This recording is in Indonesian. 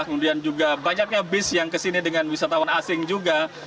kemudian juga banyaknya bis yang kesini dengan wisatawan asing juga